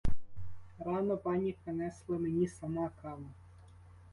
Рано пані принесла мені сама каву.